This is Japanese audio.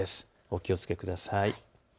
お気をつけください。